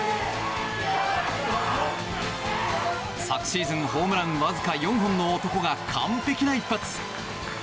昨シーズンホームランわずか４本の男が完璧な一発。